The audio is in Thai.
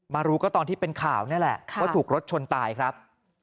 รู้ก็ตอนที่เป็นข่าวนี่แหละว่าถูกรถชนตายครับ